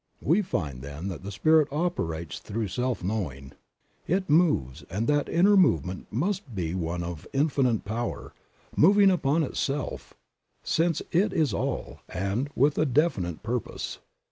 We find then that the Spirit operates through self knowing. It moves, and that inner movement must be one of Infinite Power, moving upon Itself — since It is all — and with a definite purpose.